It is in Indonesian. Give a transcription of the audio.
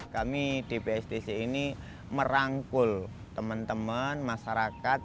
kami di bstc ini merangkul teman teman masyarakat